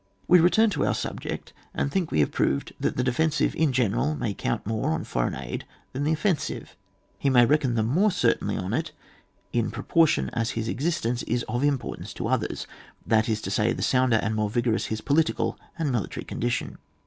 — We return to our subject, and think we have proved that the defensive in general may count more on foreign aid than the offensive; he may reckon the more certainly on it in proportion as his existence is of importance to others, that is to say, the sounder and more vigorous 'his political and militcuy condition.